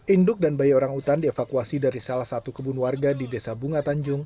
induk dan bayi orangutan dievakuasi dari salah satu kebun warga di desa bunga tanjung